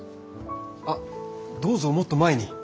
あどうぞもっと前に。